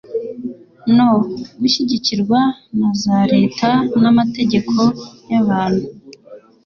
no gushyigikirwa na za Leta n'amategeko y'abantu,